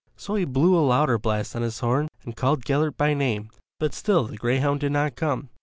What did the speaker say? So he blew a louder blast on his horn and called Gellert by name, but still the greyhound did not come.